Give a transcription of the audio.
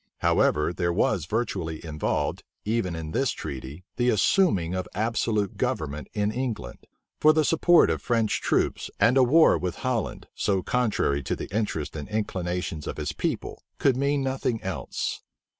However, there was virtually involved, even in this treaty, the assuming of absolute government in England; for the support of French troops, and a war with Holland, so contrary to the interests and inclinations of his people, could mean nothing else.